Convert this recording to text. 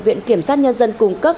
viện kiểm sát nhân dân cung cấp